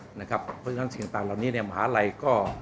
เพราะฉะนั้นสิ่งต่างเหล่านี้มหาลัยก็